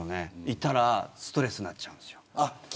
いたらストレスになっちゃうんです。